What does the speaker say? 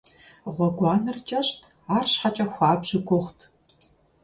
Гъуэгуанэр кӏэщӏт, арщхьэкӏэ хуабжьу гугъут.